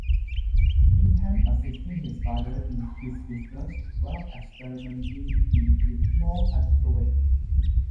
Bingham assisted his father in his business, while experimenting with more artistic wares.